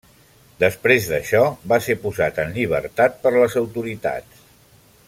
Després d'això va ser posat en llibertat per les autoritats.